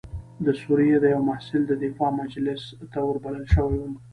د سوریې د یوه محصل د دفاع مجلس ته وربلل شوی وم.